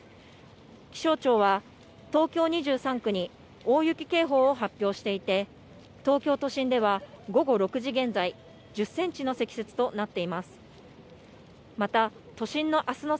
気象庁は、東京２３区に大雪警報を発表していて、東京都心では午後６時現在、１０センチの積雪となっています。